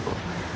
terima kasih bu